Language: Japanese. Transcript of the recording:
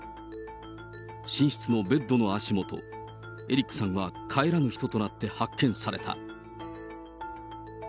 寝室のベッドの足元、エリックさんは帰らぬ人となって発見された。